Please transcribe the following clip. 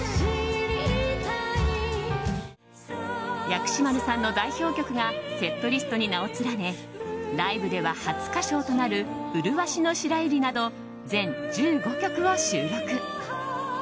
薬師丸さんの代表曲がセットリストに名を連ねライブでは初歌唱となる「うるわしの白百合」など全１５曲を収録。